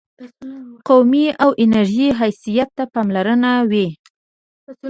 قومي او نژادي حیثیت ته پاملرنه وي.